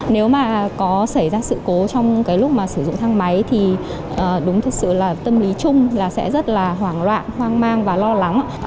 nếu mà có xảy ra sự cố trong cái lúc mà sử dụng thang máy thì đúng thực sự là tâm lý chung là sẽ rất là hoảng loạn hoang mang và lo lắng